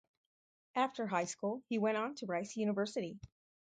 After high school, he went on to Rice University.